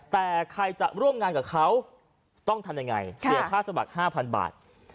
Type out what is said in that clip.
แต่ใครจะร่วมงานกับเขาต้องทำยังไงเสียค่าสมัคร๕๐๐บาท